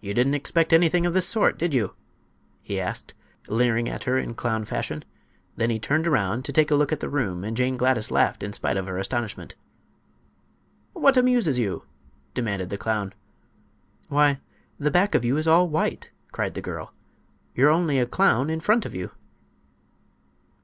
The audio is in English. "You didn't expect anything of this sort, did you?" he asked, leering at her in clown fashion. Then he turned around to take a look at the room and Jane Gladys laughed in spite of her astonishment. "What amuses you?" demanded the clown. "Why, the back of you is all white!" cried the girl. "You're only a clown in front of you."